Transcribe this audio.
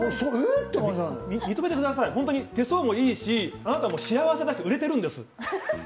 認めてください、手相もいいし、あなたも幸せだし売れてるんです。